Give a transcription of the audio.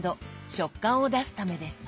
食感を出すためです。